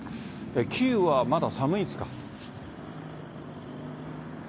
キーウはまだ寒いんですか？